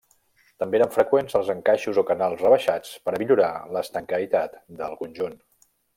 També eren freqüents els encaixos o canals rebaixats per a millorar l'estanquitat del conjunt.